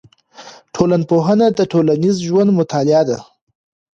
ټولنپوهنه د ټولنیز ژوند مطالعه ده.